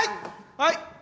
はい！